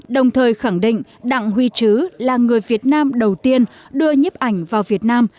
đồng thời khẳng định đặng huy trứ là người việt nam đầu tiên đưa nhấp ảnh vào việt nam